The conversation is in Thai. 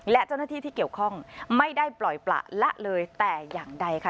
และเจ้าหน้าที่ที่เกี่ยวข้องไม่ได้ปล่อยประละเลยแต่อย่างใดค่ะ